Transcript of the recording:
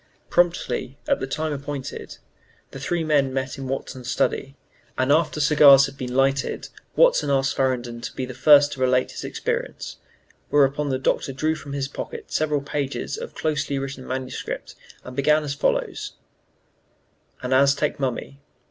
Promptly at the time appointed, the three men met in Watson's study, and after cigars had been lighted Watson asked Farrington to be the first to relate his experience, whereupon the Doctor drew from his pocket several pages of closely written manuscript, and began as follows: AN AZTEC MUMMY.